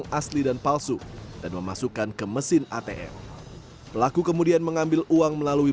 kaldonya di atm nya untuk berikutnya dia mengambil di atm lain